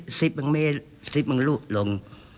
มันมีสิ่งที่ถอดสิบและลุกลง